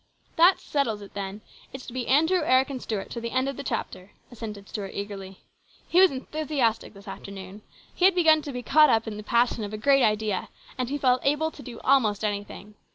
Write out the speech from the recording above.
" That settles it, then ; it's to be Andrew, Eric, and Stuart to the end of the chapter," assented Stuart eagerly. He was enthusiastic this afternoon. He had begun to be caught up in the passion of a great idea, and he felt able to do almost anything.